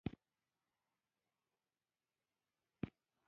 د ننګرهار کانالونه مشهور دي.